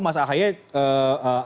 mas ahy ada di mana